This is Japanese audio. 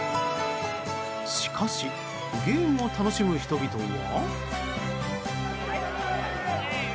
しかしゲームを楽しむ人々は。